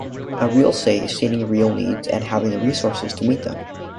A real say is stating real needs and having the resources to meet them.